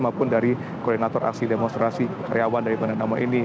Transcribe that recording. maupun dari koordinator aksi demonstrasi karyawan dari bank danamon ini